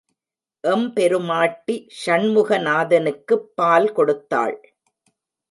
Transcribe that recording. எம்பெருமாட்டி ஷண்முகநாதனுக்குப் பால் கொடுத்தாள்.